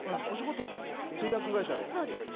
お仕事、製薬会社で。